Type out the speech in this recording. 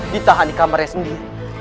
ditahan di kamarnya sendiri